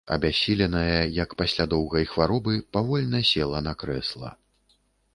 Абяссіленая, як пасля доўгай хваробы, павольна села на крэсла.